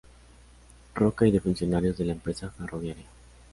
Roca, y de funcionarios de la empresa ferroviaria.